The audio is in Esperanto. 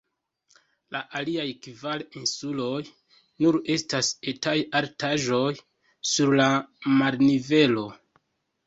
La aliaj kvar insuloj nur estas etaj altaĵoj sur la marnivelo.